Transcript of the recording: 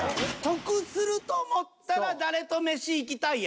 得すると思ったら誰と飯行きたい？